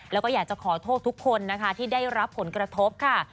แล้วก็อยากจะขอโทษทุกคนนะคะที่ได้รับผลกระทบค่ะ